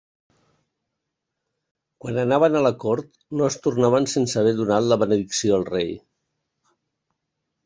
Quan anaven a la cort no es tornaven sense haver donat la benedicció al rei.